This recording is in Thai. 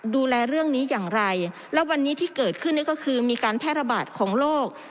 ดูแลเรื่องนี้อย่างไรและวันนี้ที่เกิดขึ้นนี่ก็คือมีการแพร่ระบาดของโรค